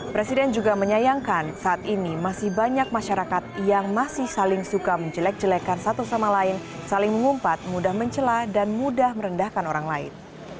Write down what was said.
presiden juga menyayangkan saat ini masih banyak masyarakat yang masih saling suka menjelek jelekan satu sama lain saling mengumpat mudah mencela dan mudah merendahkan orang lain